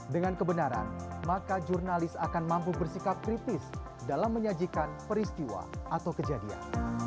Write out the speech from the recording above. dengan kebenaran maka jurnalis akan mampu bersikap kritis dalam menyajikan peristiwa atau kejadian